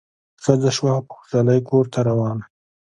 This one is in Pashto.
ښځه سوه په خوشالي کورته روانه